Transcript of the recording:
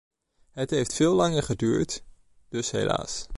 Het heeft veel langer geduurd, dus helaas.